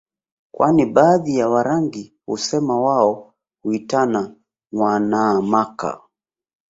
kwani baadhi ya Warangi husema wao huitana mwaana maka